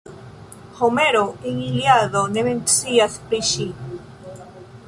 Homero en Iliado ne mencias pri ŝi.